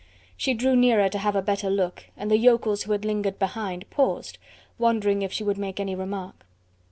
She drew nearer to have a better look, and the yokels who had lingered behind, paused, wondering if she would make any remark.